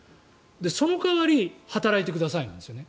その代わり働いてくださいなんですね。